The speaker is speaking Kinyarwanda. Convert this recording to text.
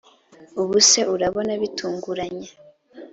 ubuse urabona bitunguranye